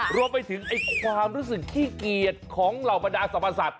รวมไปถึงความรู้สึกขี้เกียจของเหล่าบรรดาสรรพสัตว